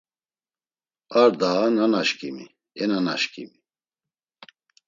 Ar daa nanaşǩimi; e nanaşǩimi!